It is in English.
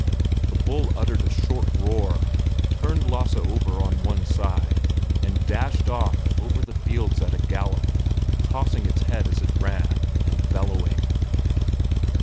The bull uttered a short roar, turned Lasse over on one side, and dashed off over the fields at a gallop, tossing its head as it ran, and bellowing.